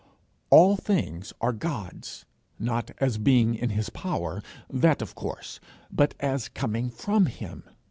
All things are God's, not as being in his power that of course but as coming from him.